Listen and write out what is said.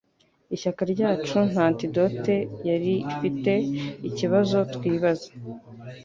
ishyaka ryacu nta antidote yari ifite ikibazo twibaza